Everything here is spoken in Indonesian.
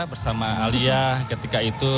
bersama alia ketika itu